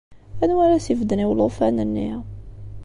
Anwa ara as-ibedden i ulufan-nni?